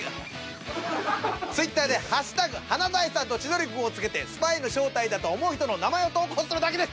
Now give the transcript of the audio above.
華大さんと千鳥くんを付けてスパイの正体だと思う人の名前を投稿するだけです。